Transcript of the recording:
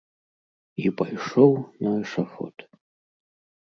І пайшоў на эшафот.